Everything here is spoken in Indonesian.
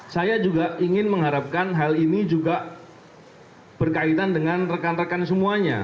saya juga ingin mengharapkan hal ini juga berkaitan dengan rekan rekan semuanya